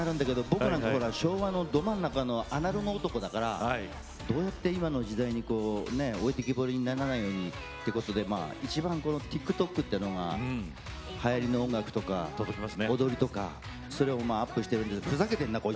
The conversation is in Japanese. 僕ら、昭和のど真ん中のアナログ男だからどうやって今の時代に置いてきぼりにならないようにということでいちばんＴｉｋＴｏｋというのが、はやりの音楽とか踊りとかそれをアップしているんですけどふざけているな。